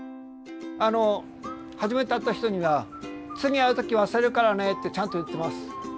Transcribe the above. あの初めて会った人には「次会う時忘れるからね」ってちゃんと言ってます。